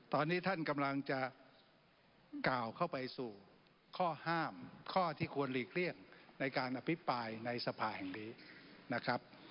ตอนนี้ท่านกำลังจะกล่าวเข้าไปสู่ข้อห้ามข้อที่ควรหลีกเลี่ยงในการอภิปรายในสภาแห่งนี้นะครับ